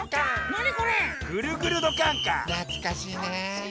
なつかしいね。